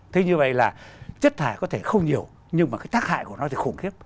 thế như vậy là chất thải có thể không nhiều nhưng mà cái tác hại của nó thì khủng khiếp